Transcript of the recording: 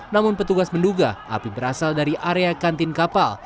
namun petugas menduga api berasal dari area kantin kapal